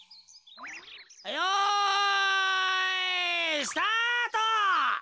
よいスタート！